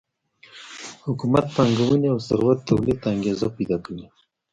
حکومت پانګونې او ثروت تولید ته انګېزه پیدا کوي.